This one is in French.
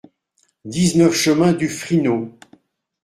dix-neuf chemin du Frinaud